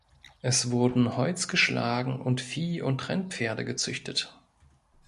Es wurden Holz geschlagen und Vieh- und Rennpferde gezüchtet.